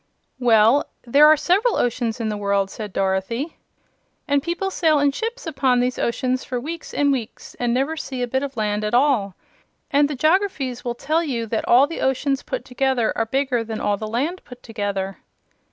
"Well, there are several oceans in the world," said Dorothy, "and people sail in ships upon these oceans for weeks and weeks, and never see a bit of land at all. And the joggerfys will tell you that all the oceans put together are bigger than all the land put together."